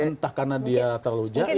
entah karena dia terlalu jauh